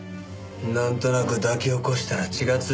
なんとなく抱き起こしたら血がついて？